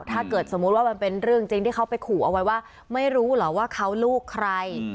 ถ้าเกิดสมมุติว่ามันเป็นเรื่องจริงที่เขาไปขู่เอาไว้ว่าไม่รู้เหรอว่าเขาลูกใคร